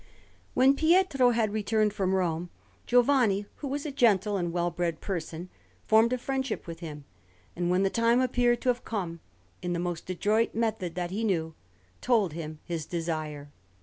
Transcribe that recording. When Pietro had returned from Rome, Giovanni, who was a gentle and well bred person, formed a friendship with him, and, when the time appeared to have come, in the most adroit method that he knew, told him his desire.